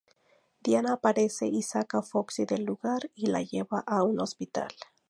Diana aparece y saca a Foxy del lugar y la lleva a un hospital.